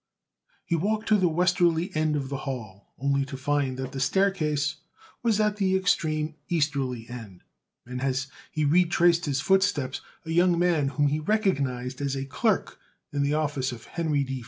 He walked to the westerly end of the hall, only to find that the staircase was at the extreme easterly end, and as he retraced his footsteps a young man whom he recognized as a clerk in the office of Henry D.